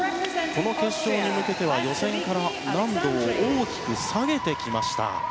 この決勝に向けては予選から難度を大きく下げてきました。